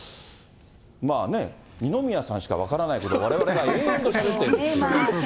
まあね、二宮さんしか分からないこと、われわれが延々としゃべっているという。